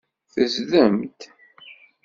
Tezdem-d.